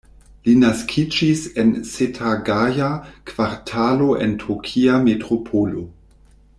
Li naskiĝis en Setagaja-kvartalo en Tokia Metropolo.